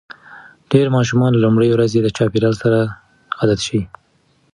ډېری ماشومان له لومړۍ ورځې د چاپېریال سره عادت شي.